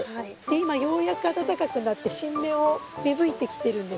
今ようやく暖かくなって新芽を芽吹いてきてるんですが。